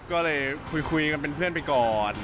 ก็เลยคุยกันเป็นเพื่อนไปก่อน